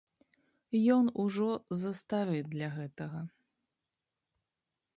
Ён ужо застары для гэтага.